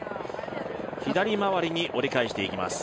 左回りに折り返していきます。